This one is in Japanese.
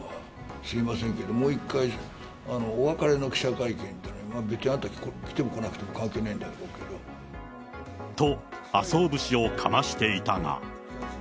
すみませんけど、もう一回、お別れの記者会見というのが、別にあなたが来ても来なくても関係ないんだろうけど。と、麻生節をかましていたが。